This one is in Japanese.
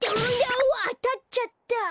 うわっあたっちゃった。